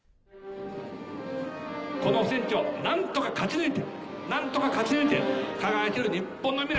この選挙何とか勝ち抜いて何とか勝ち抜いて輝ける日本の未来。